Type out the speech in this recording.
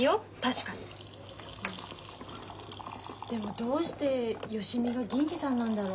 でもどうして芳美が銀次さんなんだろ。